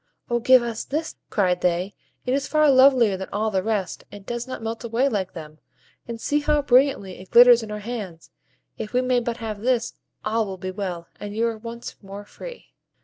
"O give us this!" cried they; "it is far lovelier than all the rest, and does not melt away like them; and see how brilliantly it glitters in our hands. If we may but have this, all will be well, and you are once more free."